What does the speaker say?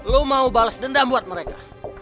lo mau balas dendam buat mereka